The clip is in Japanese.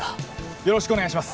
よろしくお願いします！